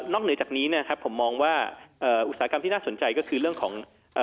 นอกเหนือจากนี้นะครับผมมองว่าอุตสาหกรรมที่น่าสนใจก็คือเรื่องของ